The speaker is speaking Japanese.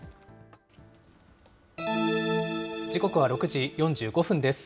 時刻は６時４５分です。